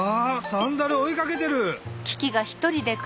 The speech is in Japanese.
サンダルをおいかけてる！